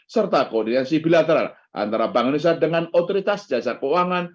serta koordinasi bilateral antara bank indonesia dengan otoritas jasa keuangan